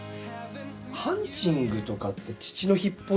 ハンチングとかって父の日っぽいですよね。